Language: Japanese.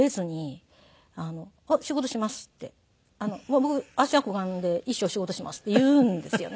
「僕芦屋小雁で一生仕事します」って言うんですよね。